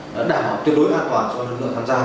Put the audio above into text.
đảm bảo tiêu đối an toàn cho lực lượng tham gia